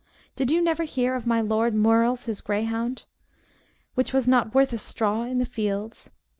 Did you never hear of my Lord Meurles his greyhound, which was not worth a straw in the fields?